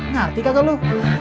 ngerti kagak lu